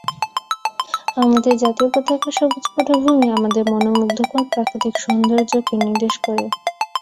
আমাদের জাতীয় পতাকার সবুজ পটভূমি আমাদের মনােমুদ্ধকর প্রাকৃতিক সৌন্দর্যকে নির্দেশ করে।